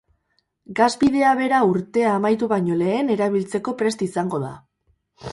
Gasbidea bera urtea amaitu baino lehen erabiltzeko prest izango da.